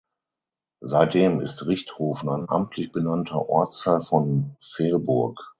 Seitdem ist Richthofen ein amtlich benannter Ortsteil von Velburg.